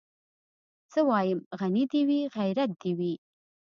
زه وايم غني دي وي غيرت دي وي